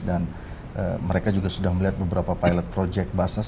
dan mereka juga sudah melihat beberapa pilot project basnas